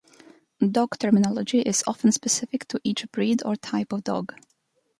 Dog terminology is often specific to each breed or type of dog.